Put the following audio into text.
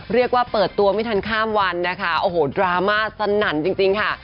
เรียกว่าเปิดตัวไม่ทันข้ามวันนะคะโอ้โหดราม่าสนั่นจริงค่ะ